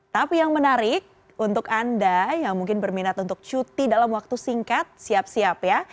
tapi yang menarik untuk anda yang mungkin berminat untuk cuti dalam waktu singkat siap siap ya